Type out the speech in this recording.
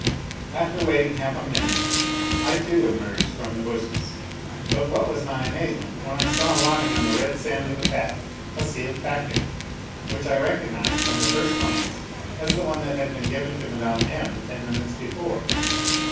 After wait'inir half a minute I, too, emerged from th( bushes ; but what was my amazement when I saw lying A LITTLE HERO 251 on the red sand of the path a sealed packet, which I recognized, from the first glance, as the one that had been given to Mme. M. ten minutes before.